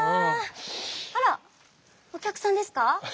あらお客さんですか。